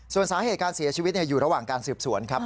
ส่วนสาเหตุการเสียชีวิตอยู่ระหว่างการสืบสวนครับ